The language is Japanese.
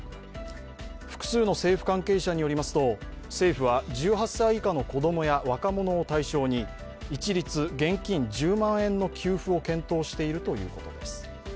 複数の政府関係者によりますと政府は１８歳以下の子供や若者を対象に、一律現金１０万円の給付を検討しているということです。